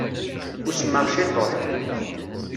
Usmeɣ ciṭuḥ.